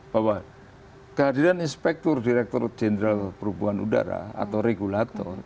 bahwa kehadiran inspektur direktur jenderal perhubungan udara atau regulator